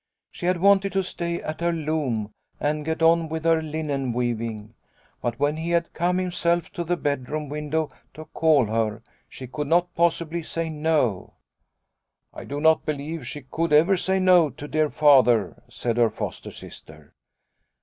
She had wanted to stay at her loom and get on with her linen weaving. But when he had come himself to the bedroom window to call her she could not possibly say 'no'," 42 Liliecrona's Home " I do not believe she could ever say 'no' to dear Father," said her foster sister.